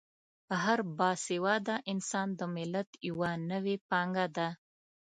هر با سواده انسان د ملت یوه نوې پانګه ده.